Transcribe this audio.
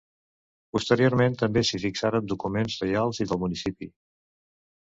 Posteriorment també s'hi fixaren documents reials i del municipi.